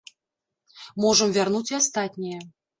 Можам вярнуць і астатняе.